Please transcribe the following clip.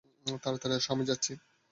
তাড়াতাড়ি আসো, আমি যাচ্ছি।